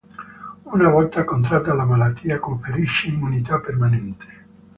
Una volta contratta la malattia conferisce immunità permanente.